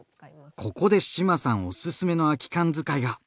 ここで志麻さんおすすめの空き缶使いが！